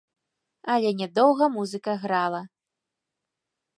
Але не доўга музыка грала.